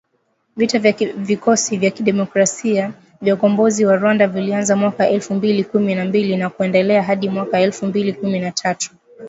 Vita vya Vikosi vya Kidemokrasia vya Ukombozi wa Rwanda vilianza mwaka elfu mbili kumi na mbili na kuendelea hadi mwaka elfu mbili kumi na tatu.